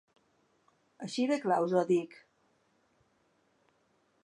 Així de clar us ho dic.